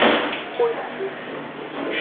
Xoci.